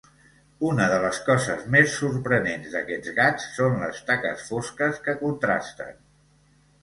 Una de les coses més sorprenents d'aquests gats són les taques fosques que contrasten.